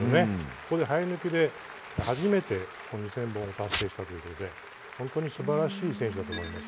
ここで生え抜きで初めて２０００本を達成したということで本当に素晴らしい選手だと思います。